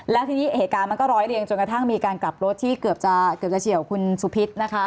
แล้วทีนี้เหตุการณ์มันก็ร้อยเรียงจนกระทั่งมีการกลับรถที่เกือบจะเฉียวคุณสุพิษนะคะ